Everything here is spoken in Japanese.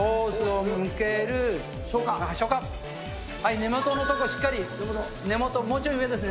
根元のとこ、しっかり、根元、もうちょい上ですね。